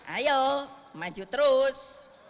ayo maju terus